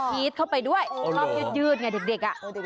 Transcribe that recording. พีชเข้าไปด้วยชอบยืดอย่างนี้เด็กอ่ะ